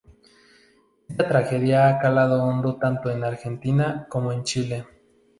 Esta tragedia ha calado hondo tanto en Argentina como en Chile.